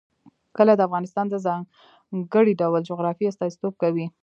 کلي د افغانستان د ځانګړي ډول جغرافیه استازیتوب کوي.